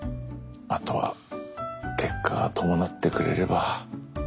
あとは結果が伴ってくれれば。